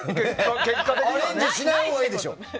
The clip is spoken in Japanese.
アレンジしないほうがいいでしょ。